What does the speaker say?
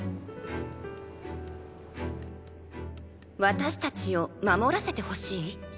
私たちを守らせてほしい？